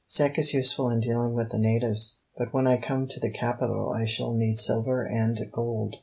Sek is useful in dealing with the natives, but when I come to the capital I shall need silver and gold.